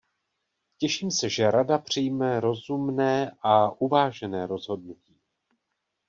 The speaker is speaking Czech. Těším se, že Rada přijme rozumné a uvážené rozhodnutí.